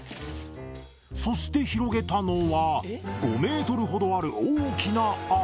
そして広げたのは５ｍほどある大きな網。